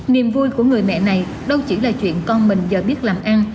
niềm vui của người mẹ này đâu chỉ là chuyện con mình giờ biết làm ăn